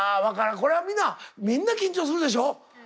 これはみんなみんな緊張するでしょ？